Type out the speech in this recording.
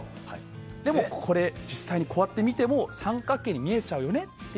でも、実際にこうやってみても三角形に見えちゃうよねって。